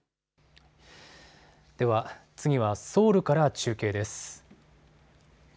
では、次はソウルから中継です。